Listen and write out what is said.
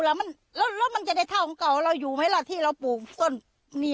แล้วมันจะได้เท่าของเก่าเราอยู่ไหมล่ะที่เราปลูกต้นนี่